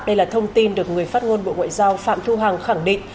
đây là thông tin được người phát ngôn bộ ngoại giao phạm thu hằng khẳng định